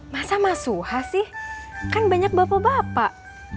masa mas suha sih kan banyak bapak bapak